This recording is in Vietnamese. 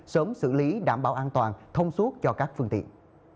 sớm xử lý đảm bảo an toàn thông suốt cho các phương tiện